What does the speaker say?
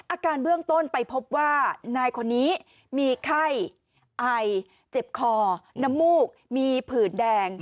อาการเบื้องต้นไปพบว่านายคนนี้มีไข้ไอเจ็บคอน้ำมูกมีผื่นแดง